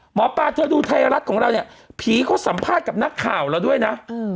หมอปลาเธอดูไทยรัฐของเราเนี่ยผีเขาสัมภาษณ์กับนักข่าวเราด้วยนะ